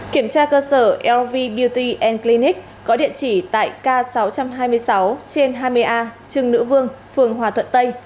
kiểm tra cơ sở lv beauty clinic có địa chỉ tại k sáu trăm hai mươi sáu trên hai mươi a trưng nữ vương phường hòa thuận tây